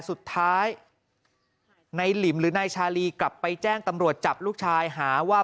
สุดท้ายนายหลิมหรือนายชาลีกลับไปแจ้งตำรวจจับลูกชายหาว่า